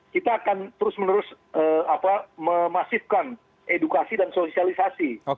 kita akan terus menerus memasifkan edukasi dan sosialisasi